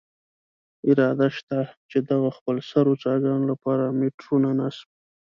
اراده شته، چې دغو خپلسرو څاګانو له پاره میټرونه نصب.